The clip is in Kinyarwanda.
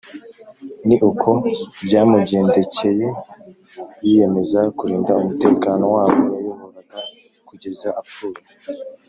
Ni uko byamugendekeye yiyemeza kurinda umutekano w’abo yayoboraga kugeza apfuye